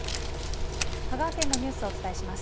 香川県のニュースをお伝えします。